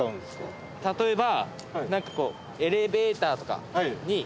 例えば。